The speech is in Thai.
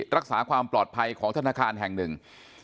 รักษาความปลอดภัยของธนาคารแห่งหนึ่ง